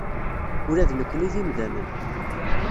Ula d nekkni d imdanen.